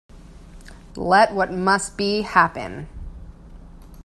Let what must be, happen.